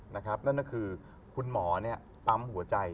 นั่นก็คือคุณหมอปั๊มหัวใจ